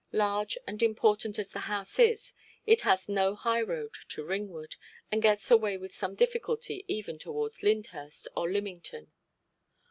Large and important as the house is, it has no high road to Ringwood, and gets away with some difficulty even towards Lyndhurst or Lymington.